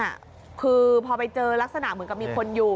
คือพอไปเจอลักษณะเหมือนกับมีคนอยู่